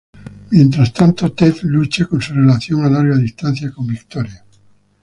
Mientras tanto, Ted lucha con su relación a larga distancia con Victoria.